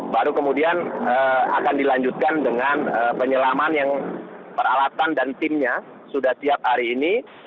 baru kemudian akan dilanjutkan dengan penyelaman yang peralatan dan timnya sudah siap hari ini